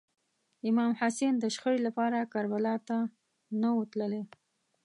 امام حسین د شخړې لپاره کربلا ته نه و تللی.